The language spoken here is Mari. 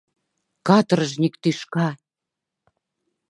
Каторжник тӱшка!»